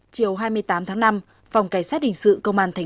chào các bạn